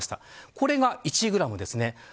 これが１グラムですね。